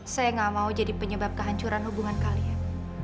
saya gak mau jadi penyebab kehancuran hubungan kalian